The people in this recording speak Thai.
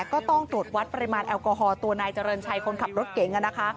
ก็ต้องตรวจวัดปริมาณแอลกอฮอลตัวนายเจริญชัยคนขับรถเก๋งนะคะ